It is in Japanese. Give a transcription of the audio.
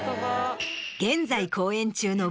現在公演中の。